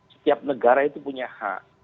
setiap negara itu punya hak